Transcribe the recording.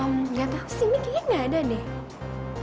nggak tahu sih ini kayaknya nggak ada nih